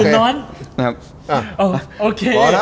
น้องหรือน้อน